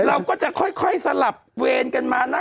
เราก็จะค่อยสลับเวรกันมานะ